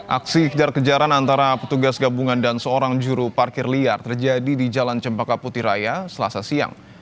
aksi kejar kejaran antara petugas gabungan dan seorang juru parkir liar terjadi di jalan cempaka putih raya selasa siang